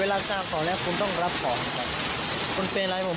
เวลาสร้างของก็อย่าหลอกสักครั้งคุณต้องรับขอ